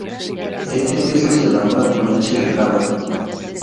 Este queso se elabora con leche de cabra.